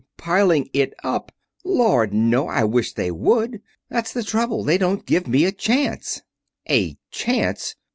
"Piling it up! Lord, no! I wish they would. That's the trouble. They don't give me a chance." "A chance!